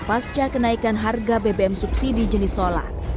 pasca kenaikan harga bbm subsidi jenis solar